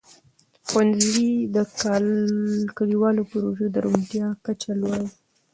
ښوونځي د کلیوالو پروژو د روڼتیا کچه لوړوي.